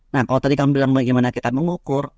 nah kalau tadi kamu bilang bagaimana kita mengukur